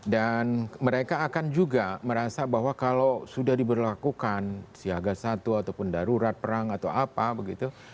dan mereka akan juga merasa bahwa kalau sudah diberlakukan siaga satu ataupun darurat perang atau apa begitu